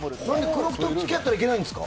黒服と付き合ったらいけないんですか？